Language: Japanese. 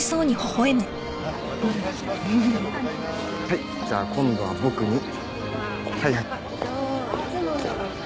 はいじゃあ今度は僕に。